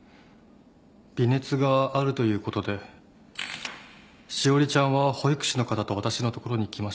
微熱があるということで詩織ちゃんは保育士の方と私のところに来ました。